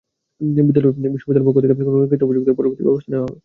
বিশ্ববিদ্যালয়ের পক্ষ থেকে কোনো লিখিত অভিযোগ দেওয়া হলে পরবর্তী ব্যবস্থা নেওয়া হবে।